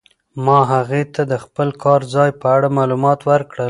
ما هغې ته د خپل کار ځای په اړه معلومات ورکړل.